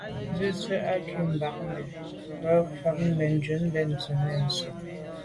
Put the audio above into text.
Ndùse à swe’ nkum bag mbi nyam nà à ba mfetnjù Benntùn nèn nô nsi nzi.